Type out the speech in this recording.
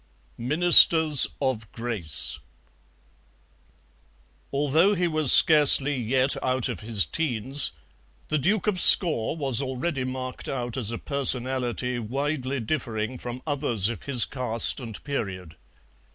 "MINISTERS OF GRACE" Although he was scarcely yet out of his teens, the Duke of Scaw was already marked out as a personality widely differing from others of his caste and period.